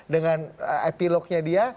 dengan epilognya dia